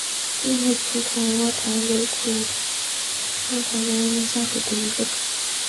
盾叶粗筒苣苔为苦苣苔科粗筒苣苔属下的一个种。